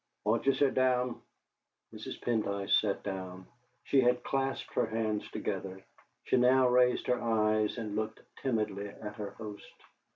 "Won't you sit down?" Mrs. Pendyce sat down. She had clasped her hands together; she now raised her eyes and looked timidly at her host.